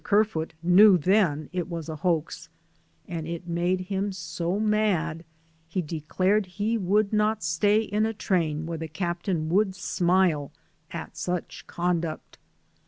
Kerfoot knew then it was a hoax, and it 178 DAYS ON THE ROAD. made him so mad he declared he would not stay in a train where the captain would smile at such conduct.